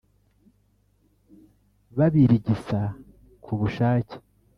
babirigisa ku bushake.